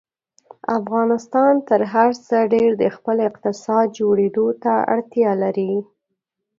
افغانستان تر هر څه ډېر د خپل اقتصاد جوړېدو ته اړتیا لري.